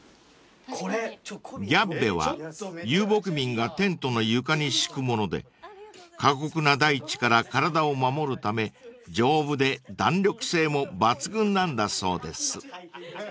［ギャッベは遊牧民がテントの床に敷くもので過酷な大地から体を守るため丈夫で弾力性も抜群なんだそうです］